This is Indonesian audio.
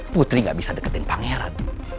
putri gak bisa deketin pangeran